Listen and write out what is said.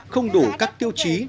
không đủ các tiêu chí